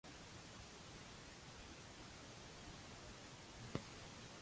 Ejjew ma nkomplux inbiċċru din il-Belt.